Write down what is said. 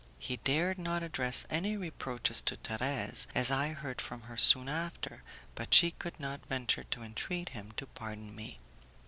He dared not address any reproaches to Thérèse, as I heard from her soon after, but she could not venture to entreat him to pardon me.